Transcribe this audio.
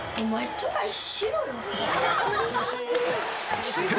そして。